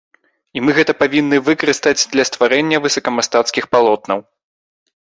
І мы гэта павінны выкарыстаць для стварэння высокамастацкіх палотнаў.